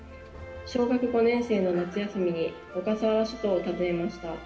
小学５年生の夏休みに小笠原諸島を訪ねました。